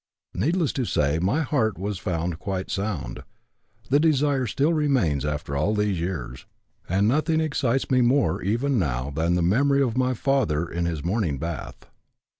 Needless to say my heart was found quite sound. The desire still remains after all these years, and nothing excites me more even now than the memory of my father in his morning bath.